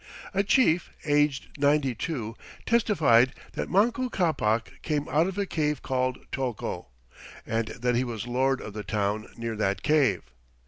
A chief, aged ninety two, testified that Manco Ccapac came out of a cave called Tocco, and that he was lord of the town near that cave.